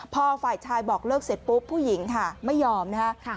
พอฝ่ายชายบอกเลิกเสร็จปุ๊บผู้หญิงค่ะไม่ยอมนะคะ